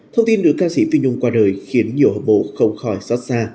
thông tin nữ ca sĩ phi nhung qua đời khiến nhiều hợp bộ không khỏi xót xa